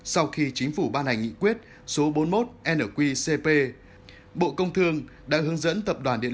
sau khi chính phủ ban hành nghị quyết số bốn mươi một nqcp bộ công thương đã hướng dẫn tập đoàn điện